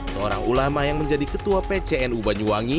seorang ulama yang menjadi ketua